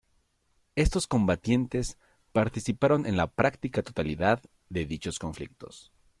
Estos combatientes participaron en la práctica totalidad de dichos conflictos.